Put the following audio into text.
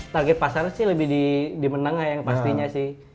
target pasarnya sih lebih di menengah yang pastinya sih